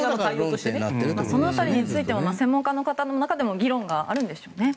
その辺りについても専門家の方の中でも議論があるんでしょうね。